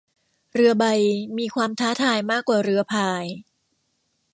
เรือใบมีความท้าทายมากกว่าเรือพาย